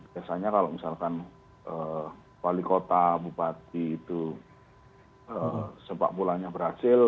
biasanya kalau misalkan wali kota bupati itu sepak bolanya berhasil